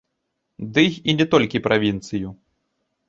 Дый і не толькі правінцыю!